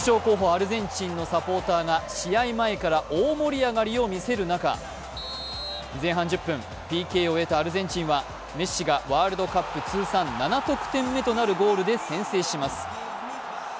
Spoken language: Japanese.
アルゼンチンのサポーターが試合前から大盛り上がりを見せる中、前半１０分、ＰＫを得たアルゼンチンはメッシがワールドカップ通算７得点目となるゴールで先制します